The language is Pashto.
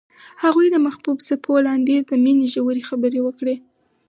هغوی د محبوب څپو لاندې د مینې ژورې خبرې وکړې.